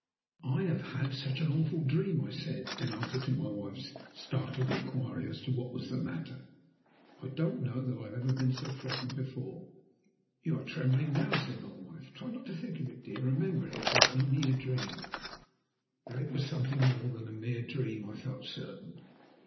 "I have had such an awful dream!" I said, in answer to my wife's startled inquiry as to what was the matter. "I don't know that I have ever been so frightened before." "You are trembling now," said my wife. "Try not to think of it, dear. Remember it was only a dream." That it was something more than a mere dream I felt certain.